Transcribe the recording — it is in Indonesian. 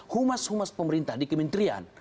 humas humas pemerintah di kementerian